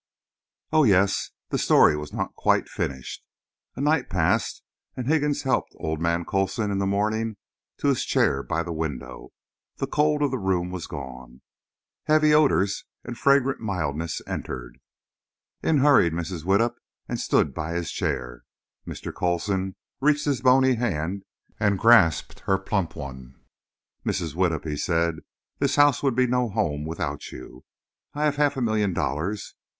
Oh, yes, the story was not quite finished. A night passed, and Higgins helped old man Coulson in the morning to his chair by the window. The cold of the room was gone. Heavenly odours and fragrant mildness entered. In hurried Mrs. Widdup, and stood by his chair. Mr. Coulson reached his bony hand and grasped her plump one. "Mrs. Widdup," he said, "this house would be no home without you. I have half a million dollars.